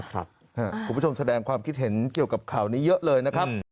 คุณผู้ชมแสดงความคิดเห็นเกี่ยวกับข่าวนี้เยอะเลยนะครับ